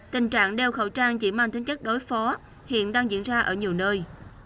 tình trạng đeo khẩu trang chỉ mang tính chất đối phó hiện đang diễn ra ở nhiều nơi